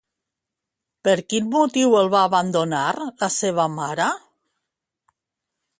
Per quin motiu el va abandonar la seva mare?